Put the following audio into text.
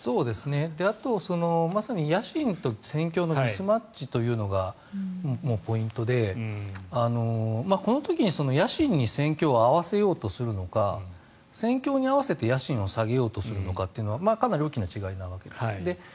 あと、まさに野心と戦況のミスマッチというのがポイントでこの時に、野心に戦況を合わせようとするのか戦況に合わせて野心を下げようとするのかはかなり大きな違いなわけですね。